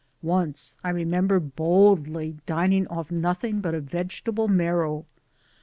Once I remember boldly dining off nothing but a vegetable marrow.